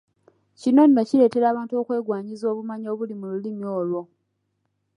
Kino nno kireetera abantu okwegwanyiza obumanyi obuli mu lulimi olwo.